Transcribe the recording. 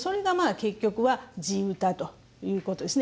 結局は地唄ということですね